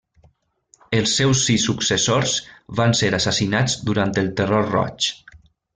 Els seus sis successors van ser assassinats durant el Terror Roig.